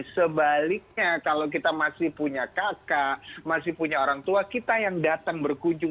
sebaliknya kalau kita masih punya kakak masih punya orang tua kita yang datang berkunjung